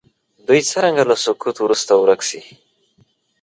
دوی څرنګه له سقوط وروسته ورک شي.